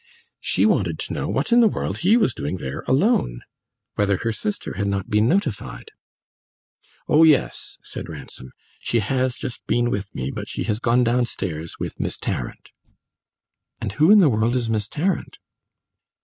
She wanted to know what in the world he was doing there alone whether her sister had not been notified. "Oh yes," said Ransom, "she has just been with me, but she has gone downstairs with Miss Tarrant." "And who in the world is Miss Tarrant?"